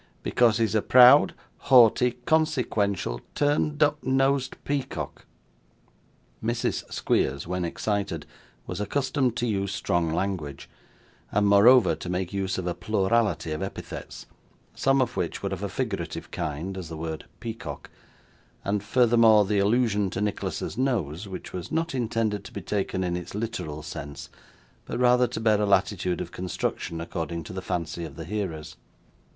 Because he's a proud, haughty, consequential, turned up nosed peacock.' Mrs. Squeers, when excited, was accustomed to use strong language, and, moreover, to make use of a plurality of epithets, some of which were of a figurative kind, as the word peacock, and furthermore the allusion to Nicholas's nose, which was not intended to be taken in its literal sense, but rather to bear a latitude of construction according to the fancy of the hearers.